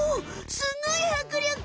すごいはくりょく！